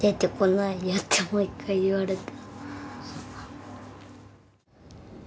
もう一回言われた。